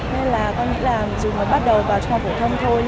nên là con nghĩ là chỉ mới bắt đầu vào trung học phổ thông thôi